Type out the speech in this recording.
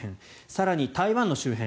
更に台湾の周辺。